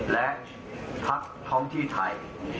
และภักดิ์ท้องที่ไทย